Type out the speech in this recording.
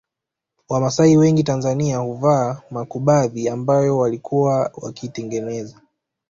Wamasai wengi Tanzania huvaa makubadhi ambayo walikuwa wakitengeneza